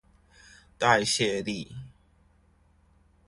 代謝力